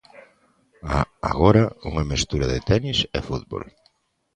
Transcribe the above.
A agora unha mestura de tenis e fútbol.